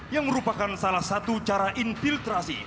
yang merupakan salah satu cara infiltrasi